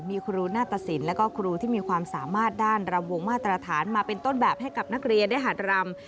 มีครูนาตสินแล้วก็ครูที่มีความสามารถด้านรำวงมาตรฐานมาเป็นต้นแบบให้กับนักเรียนได้หาดรำ